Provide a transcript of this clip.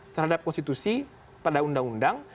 terhadap konstitusi pada undang undang